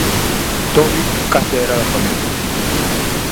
Tobi case era da familia.